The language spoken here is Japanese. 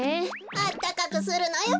あったかくするのよべ。